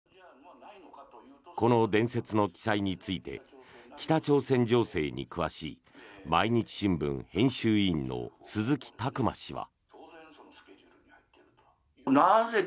この伝説の記載について北朝鮮情勢に詳しい毎日新聞編集委員の鈴木琢磨氏は。